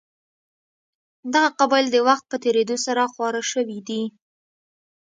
دغه قبایل د وخت په تېرېدو سره خواره شوي دي.